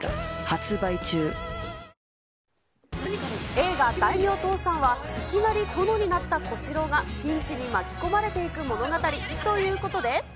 映画、大名倒産はいきなり殿になった小四郎が、ピンチに巻き込まれていく物語ということで。